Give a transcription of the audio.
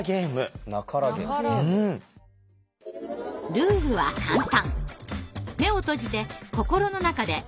ルールは簡単！